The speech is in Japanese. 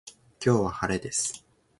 今日は晴れです。